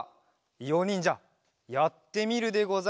いおにんじゃやってみるでござるか？